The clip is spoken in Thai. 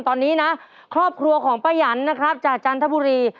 ตอนนี้นะครอบครัวของป้ายันนะครับจากจันทบุรี